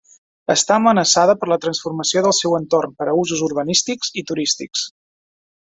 Està amenaçada per la transformació del seu entorn per a usos urbanístics i turístics.